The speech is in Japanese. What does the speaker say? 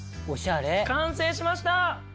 完成しました！